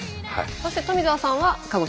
そして富澤さんは鹿児島。